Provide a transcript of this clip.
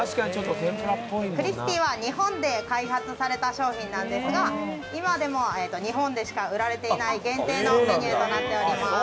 クリスピーは日本で開発された商品なんですが今でも日本でしか売られていない限定のメニューとなっております。